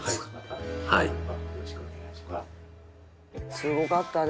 すごかったね。